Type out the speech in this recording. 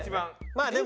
まあでも。